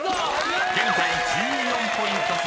［現在１４ポイント差。